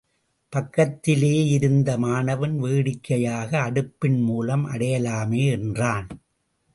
பக்கத்திலேயிருந்த மாணவன் வேடிக்கையாக அடுப்பின் மூலம் அடையலாமே! என்றான்.